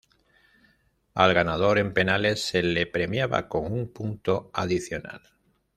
Al ganador en penales se le premiaba con un punto adicional.